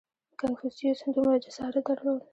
• کنفوسیوس دومره جسارت درلود.